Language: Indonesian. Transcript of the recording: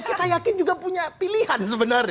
kita yakin juga punya pilihan sebenarnya